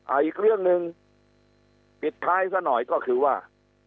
อีกเรื่องหนึ่งปิดท้ายซะหน่อยก็คือว่า